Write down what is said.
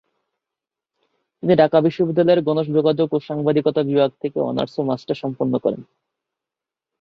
তিনি ঢাকা বিশ্ববিদ্যালয়ের গণযোগাযোগ ও সাংবাদিকতা বিভাগ থেকে অনার্স ও মাস্টার্স সম্পন্ন করেন।